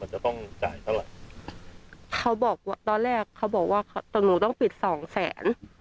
จะต้องจ่ายเท่าไหร่เขาบอกว่าตอนแรกเขาบอกว่าหนูต้องปิดสองแสน